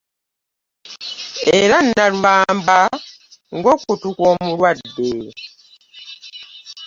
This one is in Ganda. Era nnalubamba ng'okutu kw'omulwadde .